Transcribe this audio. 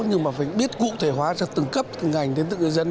nhưng mà phải biết cụ thể hóa cho từng cấp từng ngành đến từng người dân